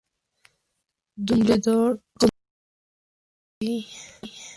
Dumbledore consigue impedirlo y se lanza a combatir contra el mago tenebroso.